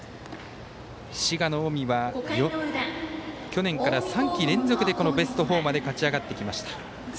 滋賀の近江は去年から３季連続でベスト４まで勝ち上がってきました。